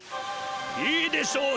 いいでしょう。